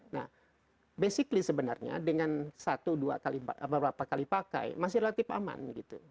nah basically sebenarnya dengan satu dua kali beberapa kali pakai masih relatif aman gitu